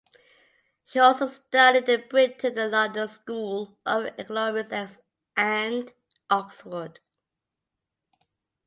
She also studied in Britain in the London school of Economics and Oxford.